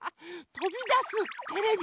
とびだすテレビ。